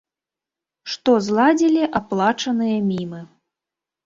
Што зладзілі аплачаныя мімы.